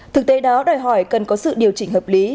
thực tế đó đòi hỏi cần có sự điều chỉnh hợp lý